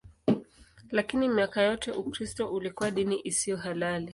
Lakini miaka yote Ukristo ulikuwa dini isiyo halali.